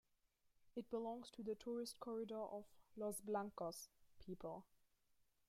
It belongs to the tourist corridor of Los Blancos people.